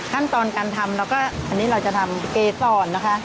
ขั้นตอนการทำแล้วก็อันนี้เราจะทำเกซอนนะคะ